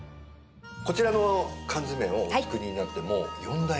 こちらの缶詰をお作りになってもう４代目という。